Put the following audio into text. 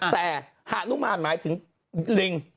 แต่หานุมานหมายถึงลิง